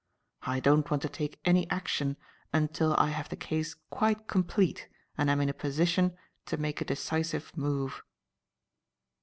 I don't want to take any action until I have the case quite complete and am in a position to make a decisive move."